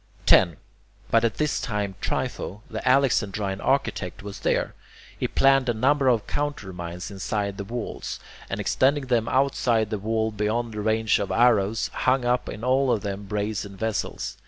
10. But at this time Trypho, the Alexandrine architect, was there. He planned a number of countermines inside the wall, and extending them outside the wall beyond the range of arrows, hung up in all of them brazen vessels.